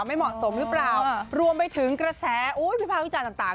ไม่เหมาะสมหรือเปล่ารวมไปถึงกระแสวิภาควิจารณ์ต่าง